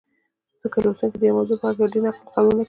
ځکه لوستونکي د یوې موضوع په هکله ډېر نقل قولونه لولي.